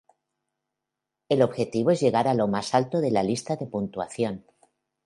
El objetivo es llegar a lo más alto de la lista de puntuación.